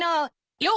よっ！